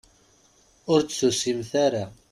Ur d-tusimt ara.